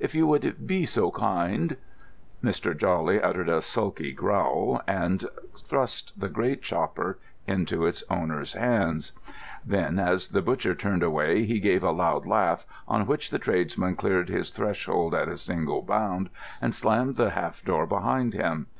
If you would be so kind——" Mr. Jawley uttered a sulky growl and thrust the great chopper into its owner's hands; then, as the butcher turned away, he gave a loud laugh, on which the tradesman cleared his threshold at a single bound and slammed the half door behind him.